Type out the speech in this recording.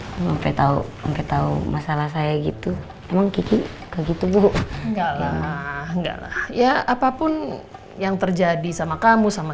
lu pt tahu tahu masalah saya gitu emang gitu bu enggak ya apapun yang terjadi sama kamu sama